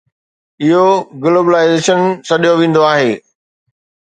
اهو گلوبلائيزيشن سڏيو ويندو آهي.